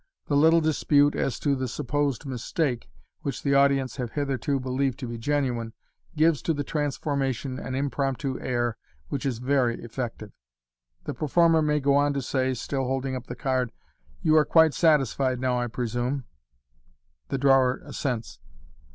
The little dispute as to the supposed mistake, which the audience have hitherto believed to be genuine, gives to the transformation an impromptu air which is very effective. The per former may go on to say, still holding up the card, " You are quite satisfied now, I presume.'* The drawer assents.